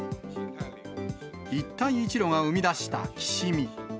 一帯一路が生み出したきしみ。